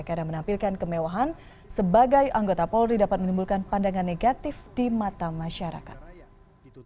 karena menampilkan kemewahan sebagai anggota polri dapat menimbulkan pandangan negatif di mata masyarakat